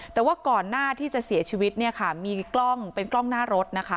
แต่ว่าก่อนหน้าที่จะเสียชีวิตมีกล้องเป็นกล้องหน้ารถ